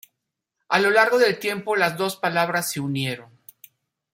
A lo largo del tiempo las dos palabras se unieron.